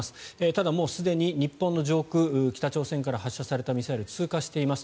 ただ、もうすでに日本の上空北朝鮮から発射されたミサイルは通過しています。